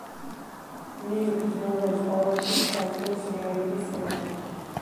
მის გრძნობებს ყოველთვის თან სდევს რეალური სურათები.